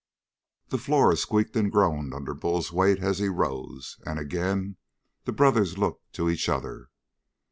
The floor squeaked and groaned under Bull's weight as he rose, and again the brothers looked to each other.